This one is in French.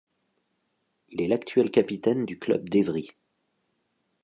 Il est l'actuel capitaine du club d'Évry.